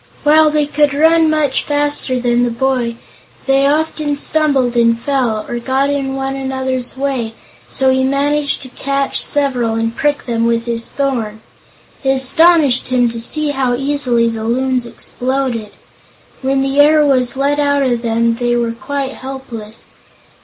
While they could run much faster than the boy, they often stumbled and fell, or got in one another's way, so he managed to catch several and prick them with his thorn. It astonished him to see how easily the Loons exploded. When the air was let out of them they were quite helpless.